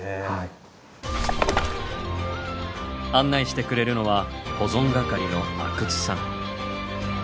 案内してくれるのは保存係の阿久津さん。